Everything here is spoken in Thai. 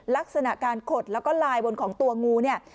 ลักษณะการขดแล้วก็ลายบนของตัวงูเนี่ย